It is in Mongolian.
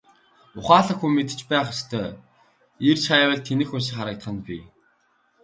Ухаалаг хүн мэдэж байх ёстойгоо эрж хайвал тэнэг хүн шиг харагдах нь бий.